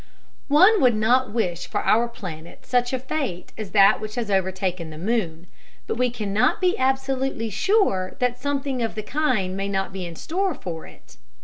One would not wish for our planet such a fate as that which has overtaken the moon, but we cannot be absolutely sure that something of the kind may not be in store for it.